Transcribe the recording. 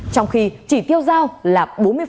trong khi chỉ tiêu giao là bốn mươi